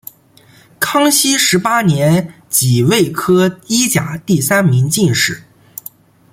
康熙十八年己未科一甲第三名进士。